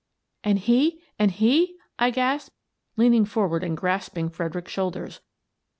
" And he — and he? " I gasped, leaning forward and grasping Fredericks's shoulders.